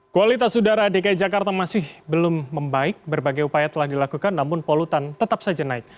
kualitas udara dki jakarta masih belum membaik berbagai upaya telah dilakukan namun polutan tetap saja naik